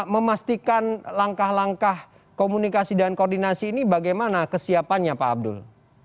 memastikan langkah langkah komunikasi dan koordinasi ini bagaimana kesiapannya pak abdul